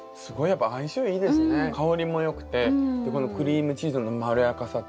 香りもよくてこのクリームチーズのまろやかさと。